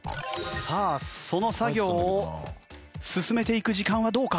さあその作業を進めていく時間はどうか？